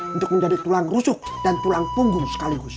untuk menjadi tulang rusuh dan tulang punggung sekaligus